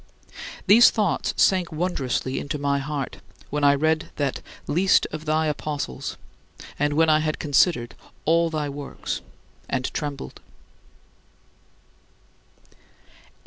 These thoughts sank wondrously into my heart, when I read that "least of thy apostles" and when I had considered all thy works and trembled.